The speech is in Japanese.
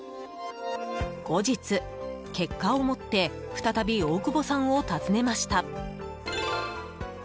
後日、結果を持って再び大窪さんを訪ねました。